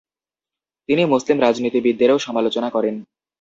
তিনি মুসলিম রাজনীতিবিদদেরও সমালোচনা করেন।